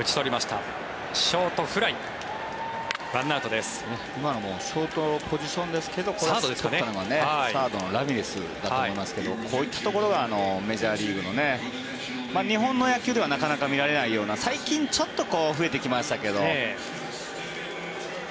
今のショートポジションですけどとったのはサードのラミレスだと思いますけどこういったところがメジャーリーグの日本の野球ではなかなか見られないような最近ちょっと増えてきましたけど。